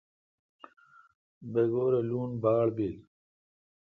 بگور اے لون باڑ بیل۔